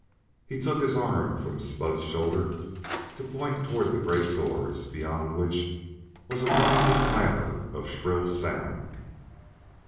He took his arm from Spud's shoulder to point toward the great doors, beyond which was a rising clamor of shrill sound.